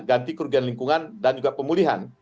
ganti kerugian lingkungan dan juga pemulihan